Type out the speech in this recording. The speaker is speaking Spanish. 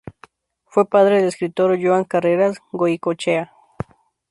Fue padre del escritor Joan Carreras Goicoechea.